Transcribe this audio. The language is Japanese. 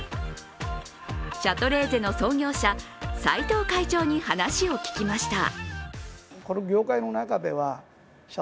シャトレーゼの創業者齊藤会長に話を聞きました。